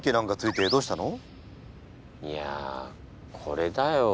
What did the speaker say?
いやこれだよ。